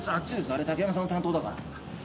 あれ竹山さんの担当だから。